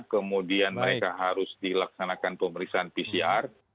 kemudian mereka harus dilaksanakan pemeriksaan pcr